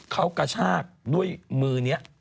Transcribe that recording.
เขากระชากด้วยมือนี้